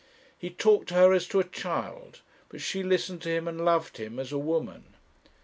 He talked to her as to a child but she listened to him and loved him as a woman.